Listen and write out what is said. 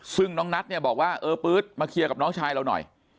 ซึ่งน้องนัทเนี่ยบอกว่าเออปื๊ดมาเคลียร์กับน้องชายเราหน่อย